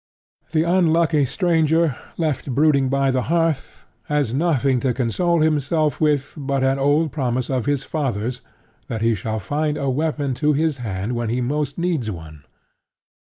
The unlucky stranger, left brooding by the hearth, has nothing to console himself with but an old promise of his father's that he shall find a weapon to his hand when he most needs one.